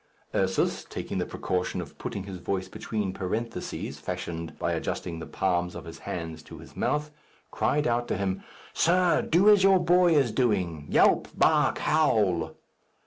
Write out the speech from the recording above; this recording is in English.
Ursus, taking the precaution of putting his voice between parentheses fashioned by adjusting the palms of his hands to his mouth, cried out to him, "Sir! do as your boy is doing yelp, bark, howl."